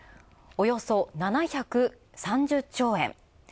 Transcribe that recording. およそ７３０兆円。